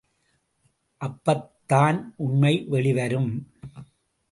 அப்பத்தான் உண்மை வெளிவரும்.